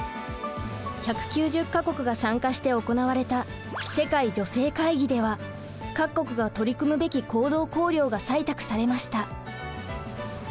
１９０か国が参加して行われた世界女性会議では各国が取り組むべき行動綱領が採択されました。